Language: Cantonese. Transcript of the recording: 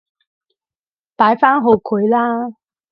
擺返好佢啦